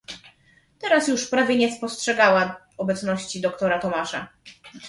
"Teraz już prawie nie spostrzegała obecności doktora Tomasza."